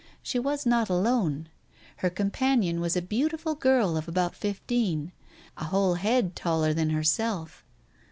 She was not alone. Her companion was a Sg b eautiful girl qf sp oilt fjff ppn T a whole head taller than herself.